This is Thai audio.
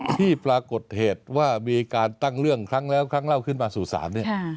ที่ปรากฏเหตุว่ามีการตั้งเรื่องครั้งแล้วครั้งเล่าขึ้นมาสู่ศาลเนี่ย